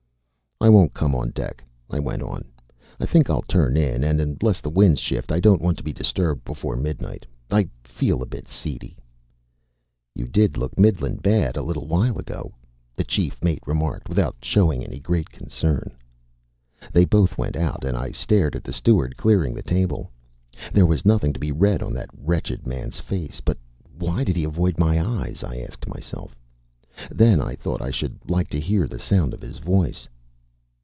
"I won't come on deck," I went on. "I think I'll turn in, and unless the wind shifts I don't want to be disturbed before midnight. I feel a bit seedy." "You did look middling bad a little while ago," the chief mate remarked without showing any great concern. They both went out, and I stared at the steward clearing the table. There was nothing to be read on that wretched man's face. But why did he avoid my eyes, I asked myself. Then I thought I should like to hear the sound of his voice.